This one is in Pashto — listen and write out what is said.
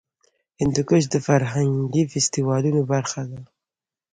هندوکش د فرهنګي فستیوالونو برخه ده.